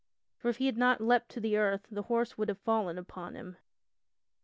For if he had not leaped to earth the horse would have fallen upon him.